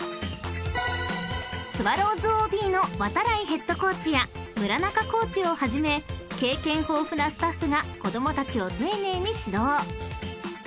［スワローズＯＢの度会ヘッドコーチや村中コーチをはじめ経験豊富なスタッフが子供たちを丁寧に指導］